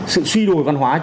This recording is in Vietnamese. sự suy đổi văn hóa